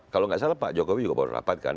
kalau tidak salah pak jokowi juga baru dapatkan